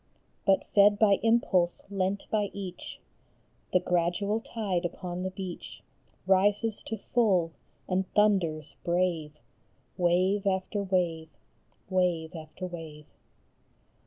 But fed by impulse lent by each The gradual tide upon the beach Rises to full, and thunders brave, Wave after wave, wave after wave.